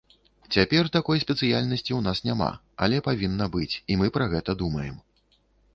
Цяпер такой спецыяльнасці ў нас няма, але павінна быць, і мы пра гэта думаем.